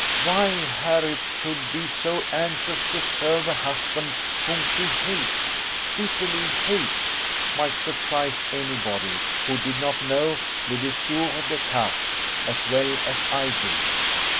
Why Harriot should be so anxious to serve a husband whom she hates, bitterly hates, might surprise any body who did not know les dessous des cartes as well as I do.